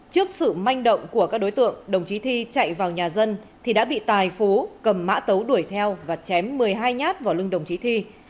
trước sự manh động của các đối tượng đồng chí thi chạy vào nhà dân thì đã bị tài phú cầm mã tấu đuổi theo và chém một mươi hai nhát vào lưng đồng chí thi